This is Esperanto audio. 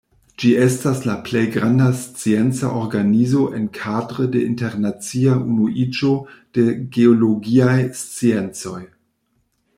Ĝi estas la plej granda scienca organizo enkadre de Internacia Unuiĝo de Geologiaj Sciencoj.